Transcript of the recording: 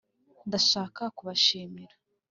ndashaka kubashimira